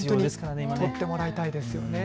取ってもらいたいですよね。